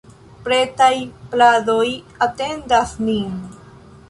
Pretaj pladoj atendas nin!